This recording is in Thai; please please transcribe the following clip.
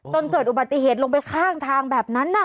จนเกิดอุบัติเหตุลงไปข้างทางแบบนั้น